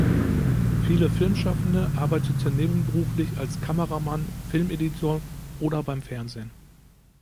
Viele Filmschaffende arbeiteten nebenberuflich als Kameramann, Filmeditor oder beim Fernsehen.